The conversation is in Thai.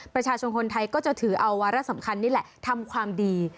ประชาชนคนไทยก็จะถือเอาวาระสำคัญนี่แหละทำความดี